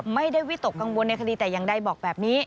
ไม่ได้วิตกกังวลในคดีแต่ยังได้บอกแบบนี้